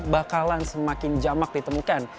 bakalan semakin jamak ditemukan